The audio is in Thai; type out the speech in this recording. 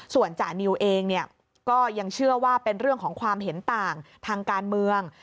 ส่วนจานิวเองก็ยังเชื่อว่าเป็นเรื่องของความเห็นต่างทางการเมือง